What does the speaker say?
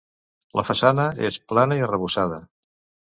La façana és plana i arrebossada.